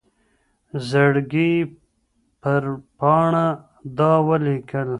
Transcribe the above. زړګي پر پاڼــه دا ولـيكل